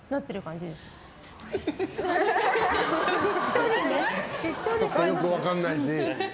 ちょっとよく分かんない。